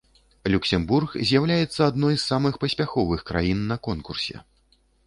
Люксембург з'яўляецца адной з самых паспяховых краін на конкурсе.